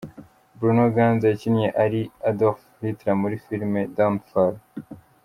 Bruno Ganz yakinnye ari Adolf Hitler muri filime Downfall.